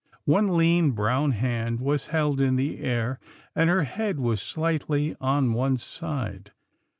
One lean, brown hand was held in the air, and her head was slightly on one side.